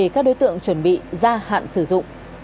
các đối tượng chuẩn bị ra hạn sử dụng